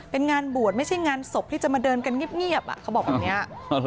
เป็นงานบวชไม่ใช่งานศพที่จะมาเดินกันเงียบเขาบอกแบบนี้